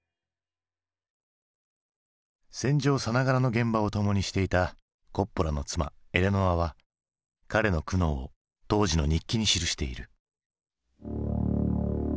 戦場さながらの現場を共にしていたコッポラの妻エレノアは彼の苦悩を当時の日記に記している。